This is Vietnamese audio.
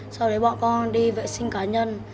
sau đấy bọn con đi vệ sinh cá nhân